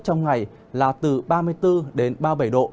trong ngày là từ ba mươi bốn đến ba mươi bảy độ